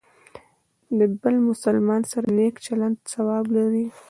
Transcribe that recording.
د بل مسلمان سره نیک چلند ثواب لري.